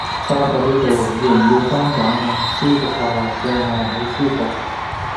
揸實呢度，要唔要番梘呀？舒服呀，正呀好舒服